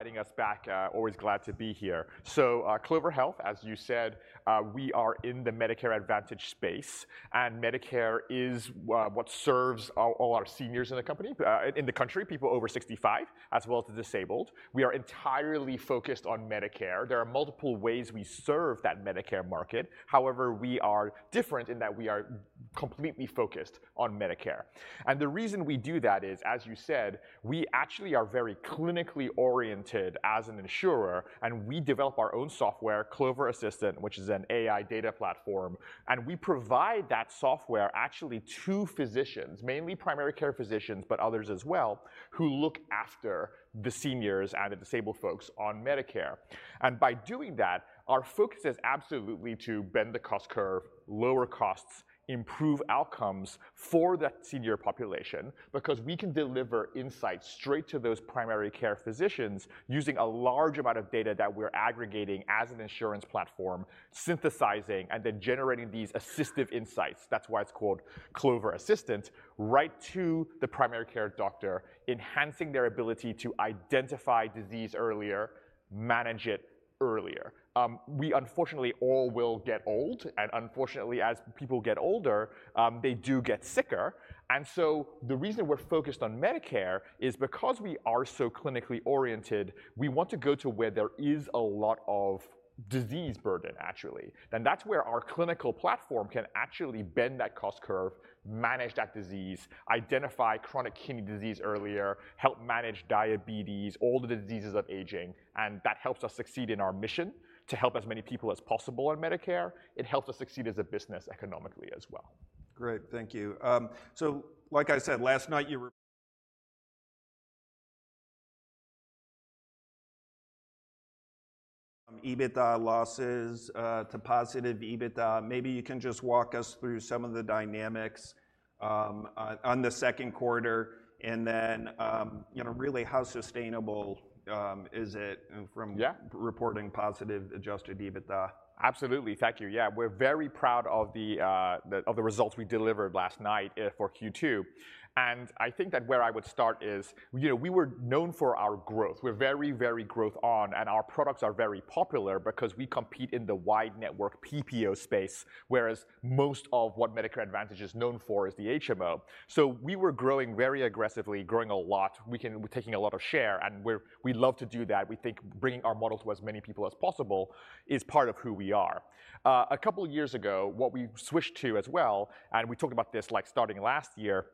Getting us back, always glad to be here. Clover Health, as you said, we are in the Medicare Advantage space, and Medicare is what serves all our seniors in the company, in the country, people over 65, as well as the disabled. We are entirely focused on Medicare. There are multiple ways we serve that Medicare market. However, we are different in that we are completely focused on Medicare. The reason we do that is, as you said, we actually are very clinically oriented as an insurer, and we develop our own software, Clover Assistant, which is an AI data platform. We provide that software actually to physicians, mainly primary care physicians, but others as well, who look after the seniors and the disabled folks on Medicare. By doing that, our focus is absolutely to bend the cost curve, lower costs, improve outcomes for the senior population, because we can deliver insights straight to those primary care physicians using a large amount of data that we're aggregating as an insurance platform, synthesizing and then generating these assistive insights. That's why it's called Clover Assistant, right to the primary care doctor, enhancing their ability to identify disease earlier, manage it earlier. We unfortunately all will get old, and unfortunately, as people get older, they do get sicker. The reason we're focused on Medicare is because we are so clinically oriented, we want to go to where there is a lot of disease burden, actually. That's where our clinical platform can actually bend that cost curve, manage that disease, identify chronic kidney disease earlier, help manage diabetes, all the diseases of aging, and that helps us succeed in our mission to help as many people as possible on Medicare. It helps us succeed as a business economically as well. Great. Thank you. Like I said, last night, EBITDA losses to positive EBITDA. Maybe you can just walk us through some of the dynamics, on, on the second quarter, and then, you know, really, how sustainable is it from-? Yeah... reporting positive Adjusted EBITDA? Absolutely. Thank you. Yeah, we're very proud of the, of the results we delivered last night, for Q2. I think that where I would start is, you know, we were known for our growth. We're very, very growth on, and our products are very popular because we compete in the wide network PPO space, whereas most of what Medicare Advantage is known for is the HMO. We were growing very aggressively, growing a lot. We're taking a lot of share, and we love to do that. We think bringing our model to as many people as possible is part of who we are. A couple of years ago what we switched to as well, and we talked about this, like, starting last year,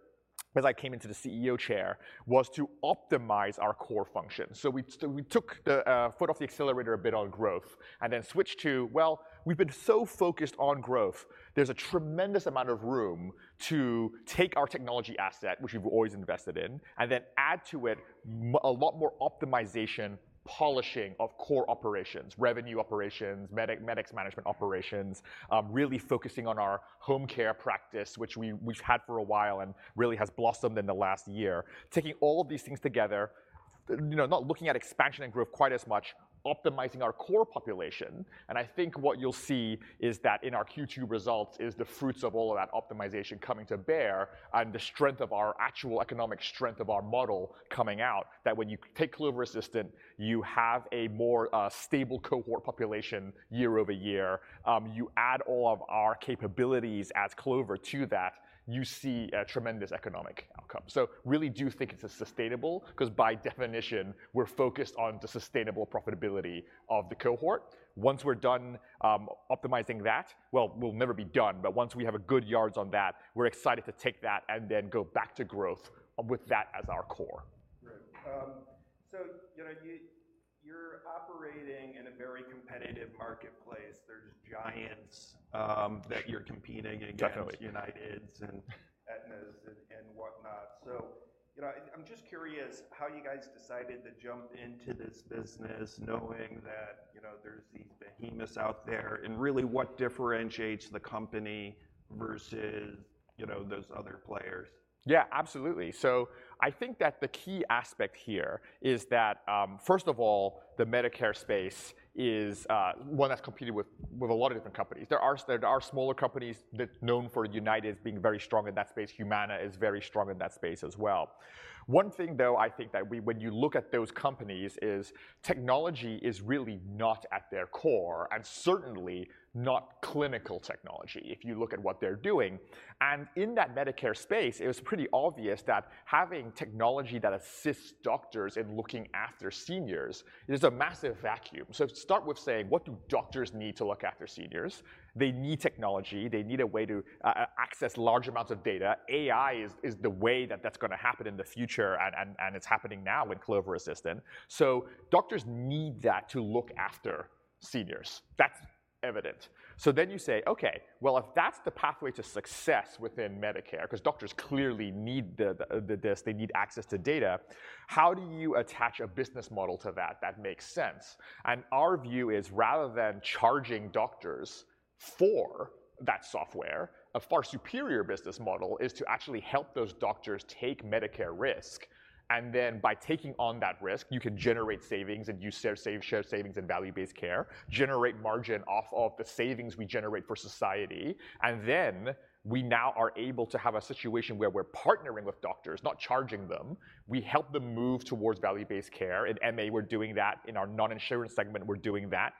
as I came into the CEO chair, was to optimize our core function. We took the foot off the accelerator a bit on growth and then switched to. Well, we've been so focused on growth. There's a tremendous amount of room to take our technology asset, which we've always invested in, and then add to it a lot more optimization, polishing of core operations, revenue operations, medical management operations, really focusing on our home care practice, which we, we've had for a while and really has blossomed in the last year. Taking all of these things together, you know, not looking at expansion and growth quite as much, optimizing our core population. I think what you'll see is that in our Q2 results is the fruits of all of that optimization coming to bear and the strength of our actual economic strength of our model coming out, that when you take Clover Assistant, you have a more stable cohort population year-over-year. You add all of our capabilities as Clover to that, you see a tremendous economic outcome. Really do think it's sustainable, 'cause by definition, we're focused on the sustainable profitability of the cohort. Once we're done optimizing that, well, we'll never be done, but once we have a good yards on that, we're excited to take that and then go back to growth with that as our core. Great. You know, you're operating in a very competitive marketplace. There's giants that you're competing against. Definitely... Uniteds and Aetnas and, and whatnot. You know, I'm just curious how you guys decided to jump into this business, knowing that, you know, there's these behemoths out there, and really what differentiates the company versus, you know, those other players? Yeah, absolutely. I think that the key aspect here is that, first of all, the Medicare space is one that's competed with, with a lot of different companies. There are, there are smaller companies that... known for United being very strong in that space. Humana is very strong in that space as well. One thing, though, I think that when you look at those companies, is technology is really not at their core and certainly not clinical technology, if you look at what they're doing. In that Medicare space, it was pretty obvious that having technology that assists doctors in looking after seniors is a massive vacuum. Start with saying: What do doctors need to look after seniors? They need technology. They need a way to access large amounts of data. AI is, is the way that that's gonna happen in the future, and, and, and it's happening now with Clover Assistant. Doctors need that to look after seniors. That's evident. You say, okay, well, if that's the pathway to success within Medicare, 'cause doctors clearly need the, the, this, they need access to data, how do you attach a business model to that that makes sense? Our view is, rather than charging doctors for that software, a far superior business model is to actually help those doctors take Medicare risk, and then by taking on that risk, you can generate savings and you share savings and value-based care, generate margin off of the savings we generate for society and then we now are able to have a situation where we're partnering with doctors, not charging them. We help them move towards value-based care. In MA, we're doing that. In our non-insurance segment, we're doing that.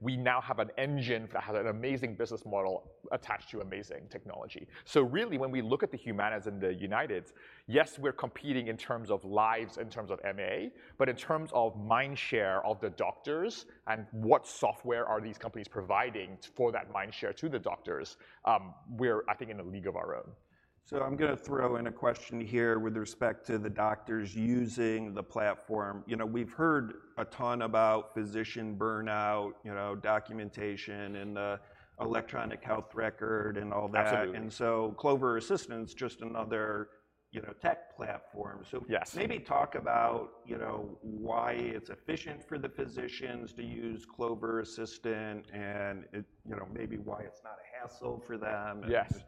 We now have an engine that has an amazing business model attached to amazing technology. Really, when we look at the Humanas and the Uniteds, yes, we're competing in terms of lives, in terms of MA, but in terms of mind share of the doctors and what software are these companies providing for that mind share to the doctors, we're, I think, in a league of our own. I'm gonna throw in a question here with respect to the doctors using the platform. You know, we've heard a ton about physician burnout, you know, documentation, and electronic health record and all that. Absolutely. Clover Assistant is just another, you know, tech platform. Yes. Maybe talk about, you know, why it's efficient for the physicians to use Clover Assistant and it, you know, maybe why it's not a hassle for them. Yes.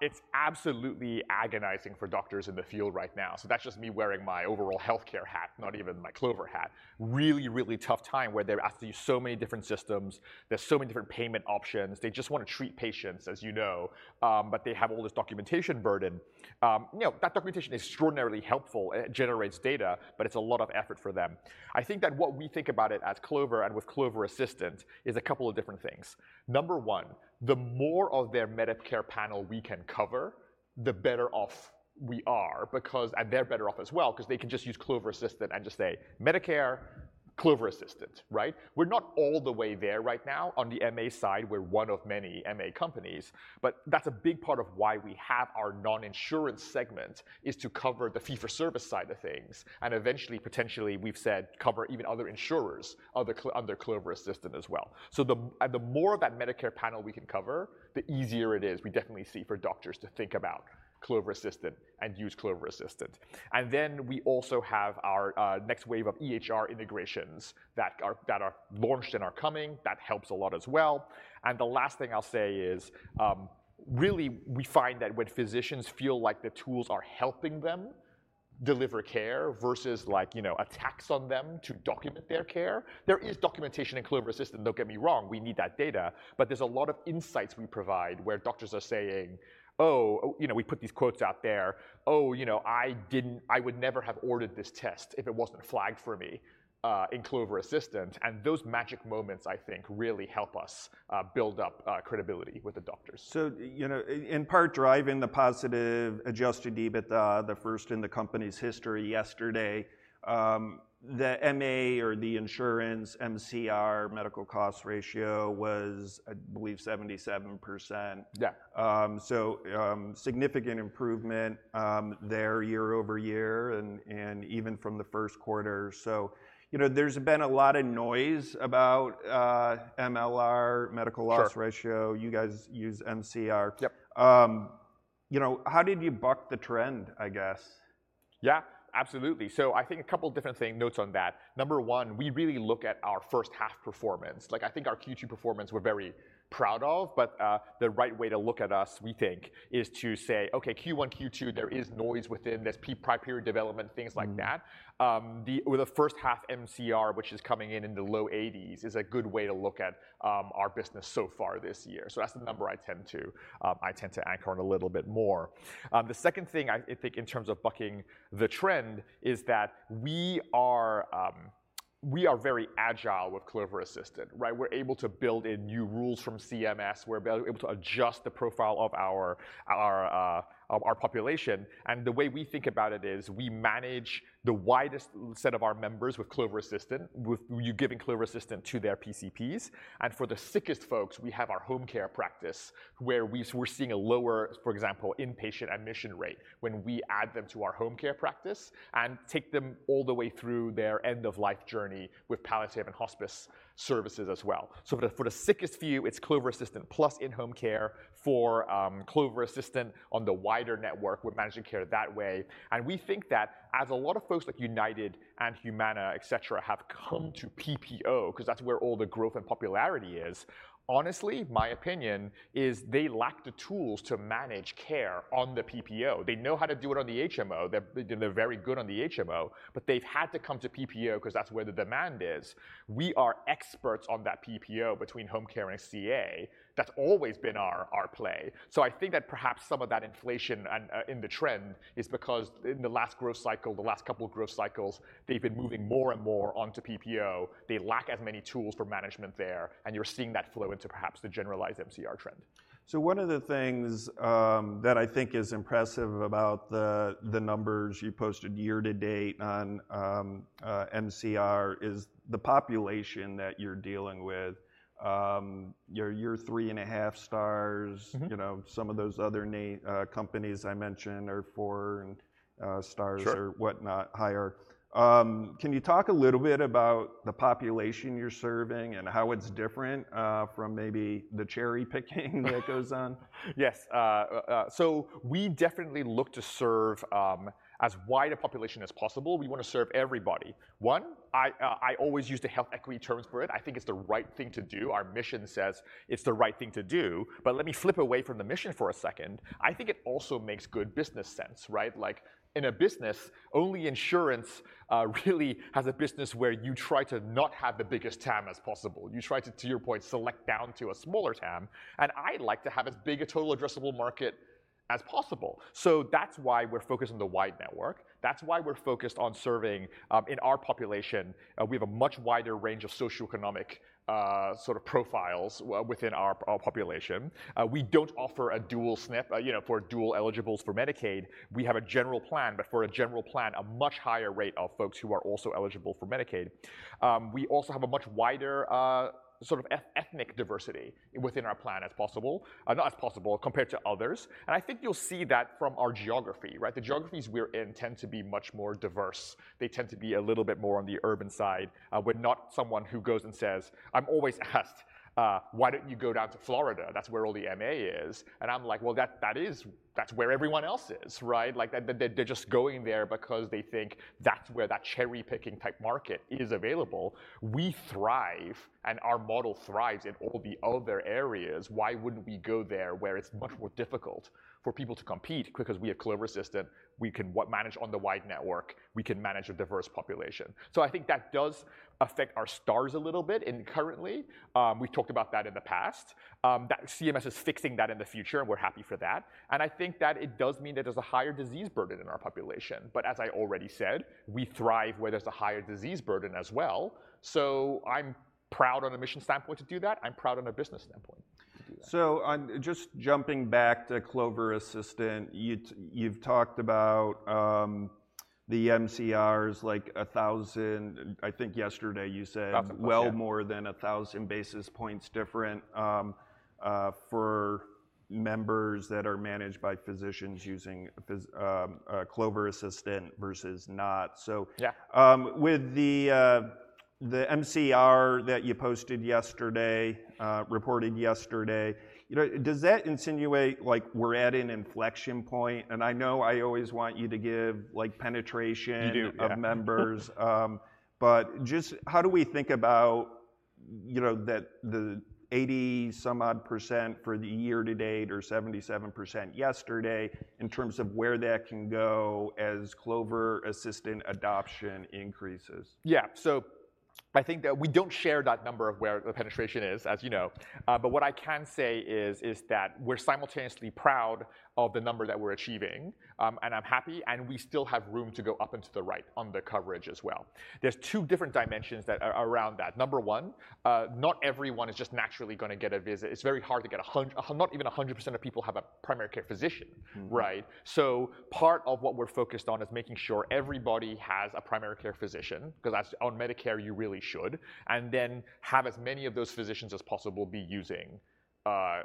It's absolutely agonizing for doctors in the field right now. That's just me wearing my overall healthcare hat, not even my Clover hat. Really, really tough time where they have to use so many different systems. There's so many different payment options. They just wanna treat patients, as you know, but they have all this documentation burden. You know, that documentation is extraordinarily helpful, and it generates data, but it's a lot of effort for them. I think that what we think about it at Clover and with Clover Assistant is a couple of different things. Number one, the more of their Medicare panel we can cover, the better off we are because... They're better off as well, 'cause they can just use Clover Assistant and just say, "Medicare, Clover Assistant," right? We're not all the way there right now. On the MA side, we're one of many MA companies, but that's a big part of why we have our non-insurance segment, is to cover the fee-for-service side of things, and eventually, potentially, we've said, cover even other insurers on the Clover Assistant as well. The, and the more of that Medicare panel we can cover, the easier it is, we definitely see, for doctors to think about Clover Assistant and use Clover Assistant. We also have our next wave of EHR integrations that are, that are launched and are coming. That helps a lot as well. The last thing I'll say is, really, we find that when physicians feel like the tools are helping them deliver care versus like, you know, a tax on them to document their care, there is documentation in Clover Assistant, don't get me wrong, we need that data, but there's a lot of insights we provide where doctors are saying, "Oh..." You know, we put these quotes out there. "Oh, you know, I would never have ordered this test if it wasn't flagged for me in Clover Assistant." Those magic moments, I think, really help us build up credibility with the doctors. You know, in part, driving the positive Adjusted EBITDA, the first in the company's history yesterday, the MA or the insurance MCR, medical cost ratio, was, I believe, 77%. Yeah. Significant improvement there year-over-year and, and even from the first quarter. You know, there's been a lot of noise about MLR. Sure loss ratio. You guys use MCR. Yep. You know, how did you buck the trend, I guess? Yeah, absolutely. I think a couple different things, notes on that. Number one, we really look at our first half performance. Like, I think our Q2 performance, we're very proud of, but the right way to look at us, we think, is to say, "Okay, Q1, Q2, there is noise within this Prior Period Development," things like that. Mm. The, with the first half MCR, which is coming in in the low 80s, is a good way to look at our business so far this year. That's the number I tend to anchor on a little bit more. The second thing I think in terms of bucking the trend is that we are very agile with Clover Assistant, right? We're able to build in new rules from CMS. We're able to adjust the profile of our, our, of our population. The way we think about it is, we manage the widest set of our members with Clover Assistant, with you giving Clover Assistant to their PCPs. For the sickest folks, we have our home care practice, where we're seeing a lower, for example, inpatient admission rate when we add them to our home care practice and take them all the way through their end-of-life journey with palliative and hospice services as well. For the, for the sickest few, it's Clover Assistant plus in-home care. For Clover Assistant on the wider network, we're managing care that way. We think that as a lot of folks like United and Humana, et cetera, have come- Mm to PPO, 'cause that's where all the growth and popularity is, honestly, my opinion is they lack the tools to manage care on the PPO. They know how to do it on the HMO. They're, they're very good on the HMO, they've had to come to PPO 'cause that's where the demand is. We are experts on that PPO between home care and CA. That's always been our, our play. I think that perhaps some of that inflation and in the trend is because in the last growth cycle, the last couple of growth cycles, they've been moving more and more onto PPO. They lack as many tools for management there, you're seeing that flow into perhaps the generalized MCR trend. One of the things that I think is impressive about the numbers you posted year to date on MCR is the population that you're dealing with. You're three and half stars. Mm-hmm. You know, some of those other companies I mentioned are four stars. Sure. or whatnot higher. Can you talk a little bit about the population you're serving and how it's different from maybe the cherry picking that goes on? Yes. We definitely look to serve as wide a population as possible. We wanna serve everybody. One, I, I always use the health equity terms for it. I think it's the right thing to do. Our mission says it's the right thing to do, but let me flip away from the mission for a second. I think it also makes good business sense, right? Like, in a business, only insurance really has a business where you try to not have the biggest TAM as possible. You try to, to your point, select down to a smaller TAM, and I'd like to have as big a total addressable market as possible. That's why we're focused on the wide network. That's why we're focused on serving in our population. We have a much wider range of socioeconomic sort of profiles within our, our population. We don't offer a dual SNP, you know, for dual eligibles for Medicaid. We have a general plan, for a general plan, a much higher rate of folks who are also eligible for Medicaid. We also have a much wider sort of ethnic diversity within our plan as possible, not as possible, compared to others. I think you'll see that from our geography, right? The geographies we're in tend to be much more diverse. They tend to be a little bit more on the urban side, we're not someone who goes and says... I'm always asked, "Why don't you go down to Florida? That's where all the MA is." I'm like: Well, that is-- that's where everyone else is, right? They, they, they're just going there because they think that's where that cherry-picking type market is available. We thrive, and our model thrives in all the other areas. Why wouldn't we go there where it's much more difficult for people to compete? Because we have Clover Assistant, we can what manage on the wide network, we can manage a diverse population. I think that does affect our stars a little bit, and currently, we've talked about that in the past. That CMS is fixing that in the future, and we're happy for that. I think that it does mean that there's a higher disease burden in our population. As I already said, we thrive where there's a higher disease burden as well. I'm proud on a mission standpoint to do that, I'm proud on a business standpoint to do that. I'm just jumping back to Clover Assistant. You've talked about, the MCRs, like, $1,000, I think yesterday you said. Absolutely, yeah. well more than 1,000 basis points different for members that are managed by physicians using Clover Assistant versus not. Yeah. With the, the MCR that you posted yesterday, reported yesterday, you know, does that insinuate, like, we're at an inflection point? I know I always want you to give, like, penetration- You do, yeah. -of members, but just how do we think about, you know, that the 80% some odd for the year to date, or 77% yesterday, in terms of where that can go as Clover Assistant adoption increases? Yeah. I think that we don't share that number of where the penetration is, as you know. But what I can say is, is that we're simultaneously proud of the number that we're achieving. I'm happy, and we still have room to go up into the right on the coverage as well. There's two different dimensions that are around that. Number one, not everyone is just naturally gonna get a visit. It's very hard to get not even 100% of people have a primary care physician. Mm-hmm. Right? Part of what we're focused on is making sure everybody has a primary care physician, 'cause that's, on Medicare, you really should, and then have as many of those physicians as possible be using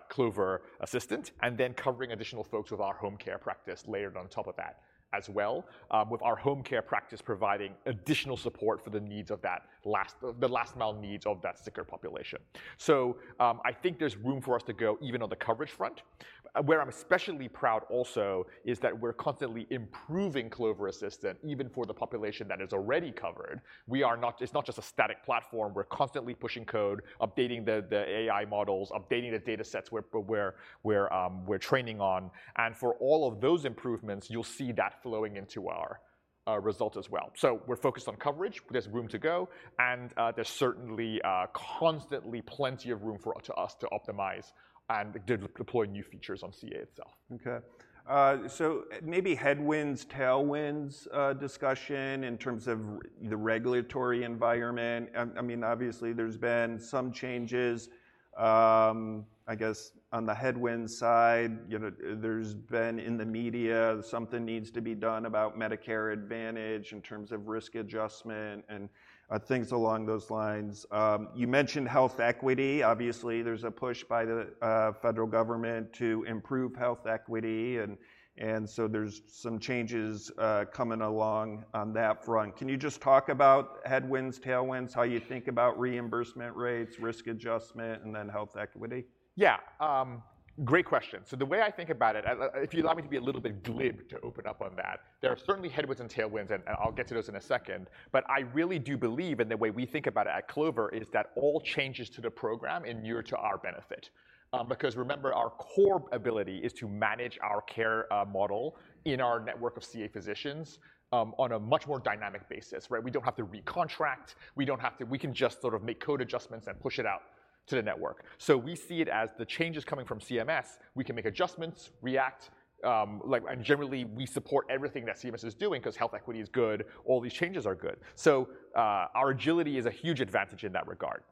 Clover Assistant, and then covering additional folks with our home care practice layered on top of that as well. With our home care practice providing additional support for the needs of that last, the last mile needs of that sicker population. I think there's room for us to go, even on the coverage front. Where I'm especially proud also, is that we're constantly improving Clover Assistant, even for the population that is already covered. It's not just a static platform, we're constantly pushing code, updating the, the AI models, updating the datasets we're training on. For all of those improvements, you'll see that flowing into our result as well. We're focused on coverage. There's room to go, and there's certainly constantly plenty of room for us to optimize and deploy new features on CA itself. Okay. Maybe headwinds, tailwinds, discussion in terms of the regulatory environment. I mean, obviously, there's been some changes, I guess, on the headwinds side, you know, there's been in the media, something needs to be done about Medicare Advantage in terms of risk adjustment and, things along those lines. You mentioned health equity. Obviously, there's a push by the federal government to improve health equity, and, and so there's some changes, coming along on that front. Can you just talk about headwinds, tailwinds, how you think about reimbursement rates, risk adjustment, and then health equity? Yeah. Great question. The way I think about it, I, if you allow me to be a little bit glib to open up on that, there are certainly headwinds and tailwinds, and I'll get to those in a second. I really do believe, and the way we think about it at Clover, is that all changes to the program endure to our benefit. Because remember, our core ability is to manage our care model in our network of CA physicians on a much more dynamic basis, right? We don't have to recontract, we don't have to... We can just sort of make code adjustments and push it out to the network. We see it as the changes coming from CMS, we can make adjustments, react, like, and generally, we support everything that CMS is doing 'cause health equity is good, all these changes are good. Our agility is a huge advantage in that regard.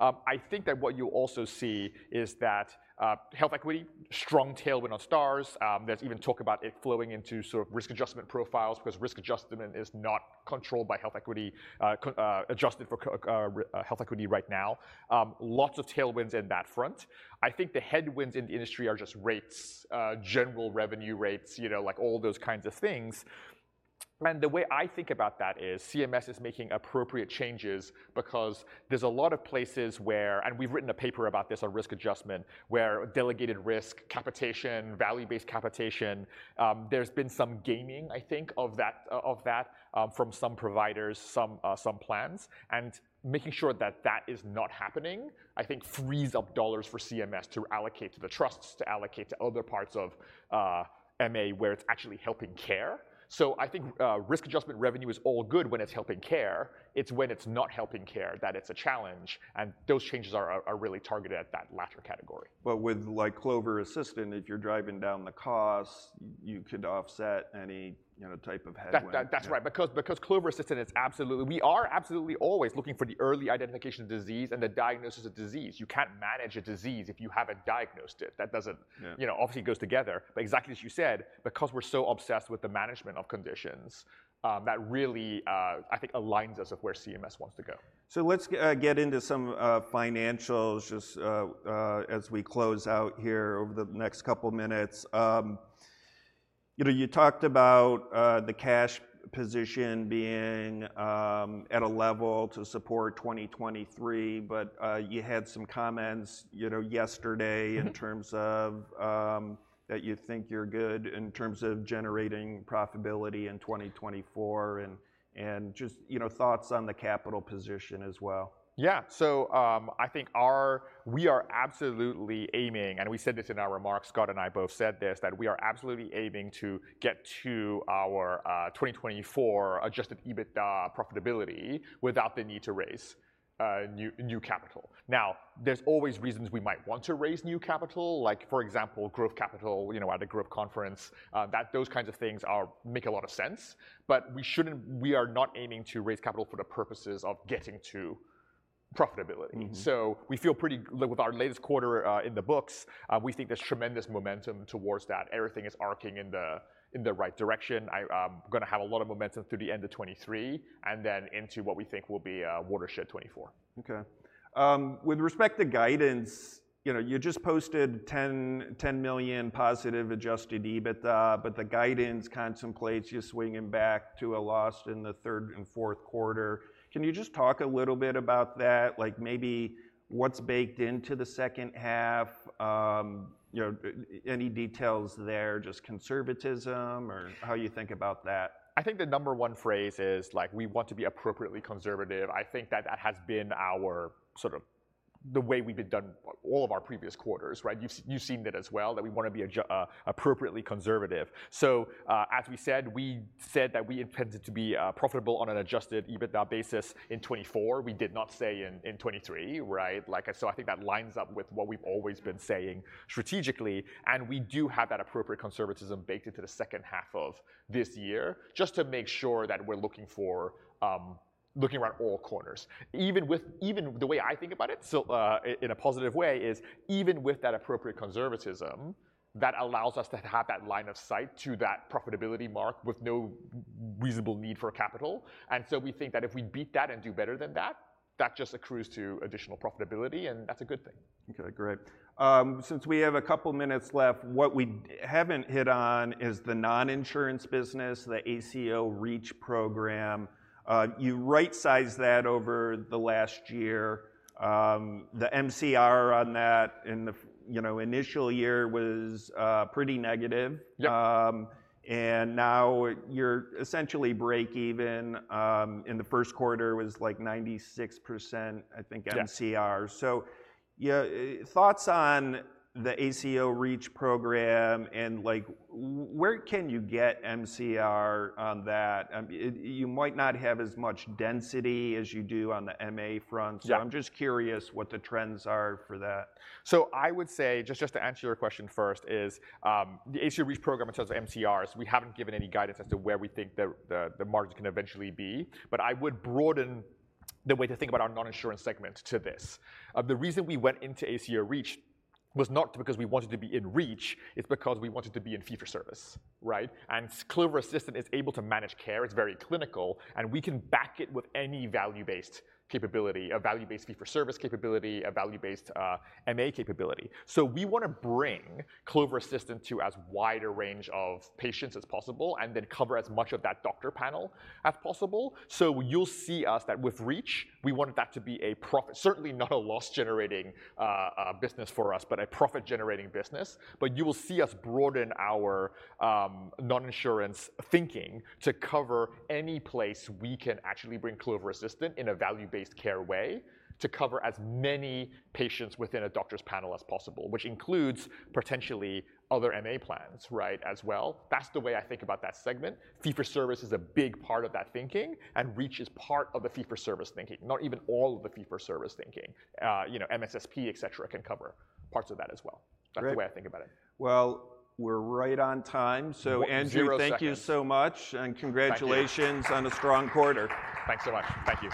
I think that what you'll also see is that health equity, strong tailwind on Stars, there's even talk about it flowing into sort of risk adjustment profiles, because risk adjustment is not controlled by health equity, adjusted for health equity right now. Lots of tailwinds in that front. The headwinds in the industry are just rates, general revenue rates, you know, like all those kinds of things. The way I think about that is CMS is making appropriate changes because there's a lot of places where and we've written a paper about this, on risk adjustment, where delegated risk, capitation, value-based capitation, there's been some gaming, I think, of that, of that, from some providers, some, some plans. Making sure that that is not happening, I think frees up dollars for CMS to allocate to the trusts, to allocate to other parts of MA, where it's actually helping care. I think risk adjustment revenue is all good when it's helping care. It's when it's not helping care, that it's a challenge, and those changes are, are really targeted at that latter category. With, like, Clover Assistant, if you're driving down the cost, you could offset any, you know, type of headwind. That's right. Because Clover Assistant is absolutely. We are absolutely always looking for the early identification of disease and the diagnosis of disease. You can't manage a disease if you haven't diagnosed it. That doesn't. Yeah. You know, obviously, it goes together. Exactly as you said, because we're so obsessed with the management of conditions, that really, I think aligns us with where CMS wants to go. Let's get into some financials, just as we close out here over the next couple minutes. You know, you talked about the cash position being at a level to support 2023, but you had some comments, you know, yesterday... Mm-hmm. -in terms of, that you think you're good in terms of generating profitability in 2024, and, and just, you know, thoughts on the capital position as well. Yeah. I think our... We are absolutely aiming, and we said this in our remarks, Scott and I both said this, that we are absolutely aiming to get to our 2024 Adjusted EBITDA profitability without the need to raise new, new capital. Now, there's always reasons we might want to raise new capital, like, for example, growth capital, you know, at a group conference, those kinds of things make a lot of sense. We are not aiming to raise capital for the purposes of getting to profitability. Mm-hmm. We feel pretty With our latest quarter in the books, we think there's tremendous momentum towards that. Everything is arcing in the, in the right direction. I, we're gonna have a lot of momentum through the end of 2023, and then into what we think will be watershed 2024. Okay. With respect to guidance, you know, you just posted $10, $10 million positive Adjusted EBITDA, but the guidance contemplates you swinging back to a loss in the third and fourth quarter. Can you just talk a little bit about that? Like, maybe what's baked into the second half? You know, any details there, just conservatism or how you think about that? I think the number one phrase is, like, we want to be appropriately conservative. I think that that has been our sort of the way we've been done all of our previous quarters, right? You've, you've seen it as well, that we wanna be appropriately conservative. As we said, we said that we intended to be profitable on an Adjusted EBITDA basis in 2024. We did not say in, in 2023, right? Like, I think that lines up with what we've always been saying strategically, and we do have that appropriate conservatism baked into the second half of this year, just to make sure that we're looking for, looking around all corners. Even the way I think about it, still, in a positive way, is even with that appropriate conservatism, that allows us to have that line of sight to that profitability mark with no reasonable need for capital. We think that if we beat that and do better than that, that just accrues to additional profitability, and that's a good thing. Okay, great. Since we have a couple minutes left, what we haven't hit on is the non-insurance business, the ACO REACH program. You right-sized that over the last year. The MCR on that in the, you know, initial year was pretty negative. Yeah. now you're essentially break even, in the first quarter was 96%, I think. Yeah... MCR. Yeah, thoughts on the ACO REACH program and, like, where can you get MCR on that? You might not have as much density as you do on the MA front. Yeah. I'm just curious what the trends are for that. I would say, just, just to answer your question first, is, the ACO REACH program in terms of MCRs, we haven't given any guidance as to where we think the, the, the margins can eventually be. I would broaden the way to think about our non-insurance segment to this. The reason we went into ACO REACH was not because we wanted to be in REACH, it's because we wanted to be in fee-for-service, right? Clover Assistant is able to manage care, it's very clinical, and we can back it with any value-based capability, a value-based fee-for-service capability, a value-based MA capability. We wanna bring Clover Assistant to as wide a range of patients as possible, and then cover as much of that doctor panel as possible. You'll see us that with REACH, we want that to be a profit-- certainly not a loss-generating business for us, but a profit-generating business. You will see us broaden our non-insurance thinking to cover any place we can actually bring Clover Assistant in a value-based care way, to cover as many patients within a doctor's panel as possible, which includes, potentially, other MA plans, right, as well. That's the way I think about that segment. Fee-for-service is a big part of that thinking, and REACH is part of the fee-for-service thinking, not even all of the fee-for-service thinking. You know, MSSP, et cetera, can cover parts of that as well. Great. That's the way I think about it. Well, we're right on time. zero seconds. Andrew, thank you so much, and congratulations... Thank you.... on a strong quarter. Thanks so much. Thank you.